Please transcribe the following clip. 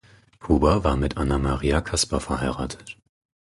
Huber war mit Anna Maria Caspar verheiratet.